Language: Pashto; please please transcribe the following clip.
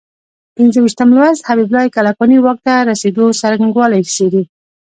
پنځه ویشتم لوست حبیب الله کلکاني واک ته رسېدو څرنګوالی څېړي.